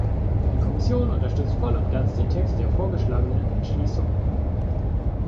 Die Kommission unterstützt voll und ganz den Text der vorgeschlagenen Entschließung.